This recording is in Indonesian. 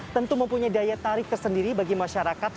tentu mempunyai daya tarik tersendiri bagi masyarakat